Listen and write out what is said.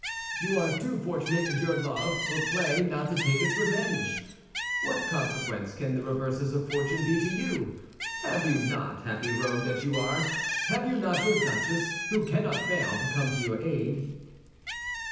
You are too fortunate in your love for play not to take its revenge. What consequence can the reverses of fortune be to you? Have you not, happy rogue that you are—have you not your duchess, who cannot fail to come to your aid?"